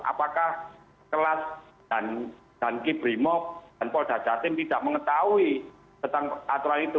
apakah kelas dan kiprimok dan pol dajatin tidak mengetahui tentang aturan itu